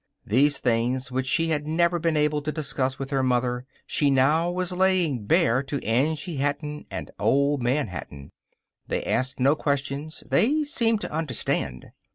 These things which she had never been able to discuss with her mother she now was laying bare to Angie Hatton and Old Man Hatton! They asked no questions. They seemed to understand.